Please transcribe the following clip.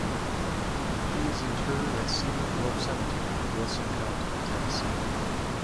He is interred at Cedar Grove Cemetery, Wilson County, Tennessee.